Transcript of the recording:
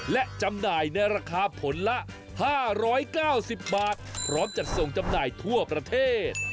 และจำหน่ายในราคาผลละ๕๙๐บาทพร้อมจัดส่งจำหน่ายทั่วประเทศ